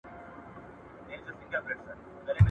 دویني ډول ناروغیو مخنیوي کې مرسته کوي.